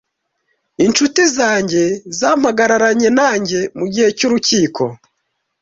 Inshuti zanjye zampagararanye nanjye mugihe cyurukiko.